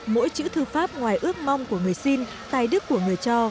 mỗi chữ thư pháp ngoài ước mong của người xin tài đức của người cho